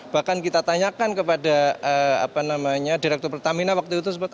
bahkan kita tanyakan kepada apa namanya direktur pertamina waktu itu sebut